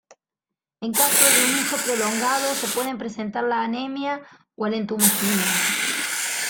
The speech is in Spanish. En caso de un uso prolongado se pueden presentar la anemia o el entumecimiento.